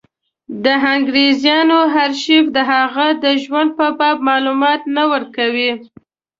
د انګرېزانو ارشیف د هغه د ژوند په باب معلومات نه ورکوي.